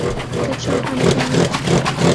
کچرا اٹھانے کے لیے۔